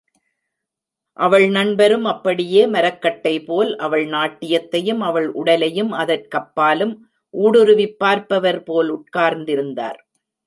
அவள் நண்பரும் அப்படியே, மரக்கட்டை போல, அவள் நாட்டியத்தையும் அவள் உடலையும் அதற்கப்பாலும் ஊடுருவிப் பார்ப்பவர்போல உட்கார்ந்திருந்தார்.